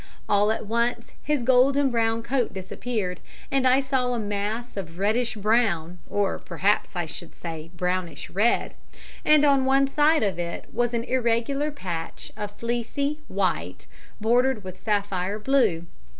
All at once his golden brown coat disappeared, and I saw a mass of reddish brown or perhaps I should say brownish red, and on one side of it was an irregular patch of fleecy white, bordered with sapphire blue.